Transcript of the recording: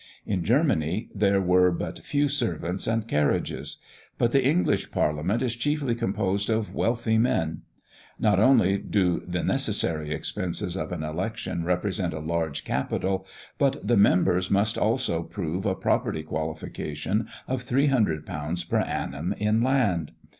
In Germany, there were but few servants and carriages. But the English parliament is chiefly composed of wealthy men; for not only do the "necessary expenses" of an election represent a large capital, but the members must also prove a property qualification of £300 per annum in land.